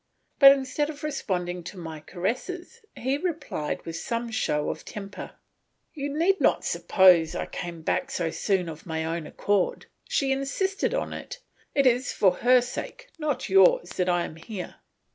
But instead of responding to my caresses he replied with some show of temper, "You need not suppose I came back so soon of my own accord; she insisted on it; it is for her sake not yours that I am here."